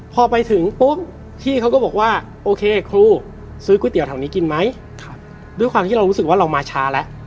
พอไปถึงปุ๊บพี่เขาก็บอกว่าโอเคครูซื้อก๋วยเตี๋ยแถวนี้กินไหมด้วยความที่เรารู้สึกว่าเรามาช้าแล้ว